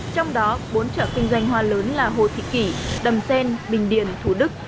trong đó bốn chợ kinh doanh hoa lớn là hồ thị kỷ đầm xen bình điền thủ đức